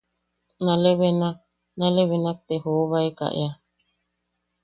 Nalebena, nalebenak te joobaeka ea.